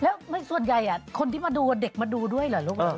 แล้วส่วนใหญ่คนที่มาดูเด็กมาดูด้วยเหรอลูก